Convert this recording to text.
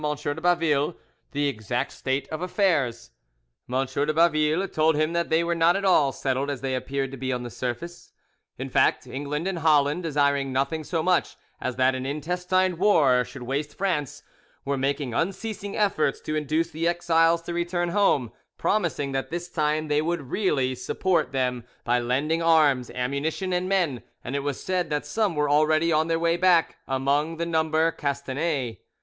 de Baville the exact state of affairs. M. de Baville told him that they were not at all settled as they appeared to be on the surface. In fact, England and Holland, desiring nothing so much as that an intestine war should waste France, were making unceasing efforts to induce the exiles to return home, promising that this time they would really support them by lending arms, ammunition, and men, and it was said that some were already on their way back, among the number Castanet.